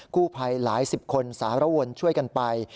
กู้ภัยหลายสิบคนสารวนช่วยกันไป